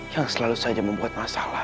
yang selalu saja membuat masalah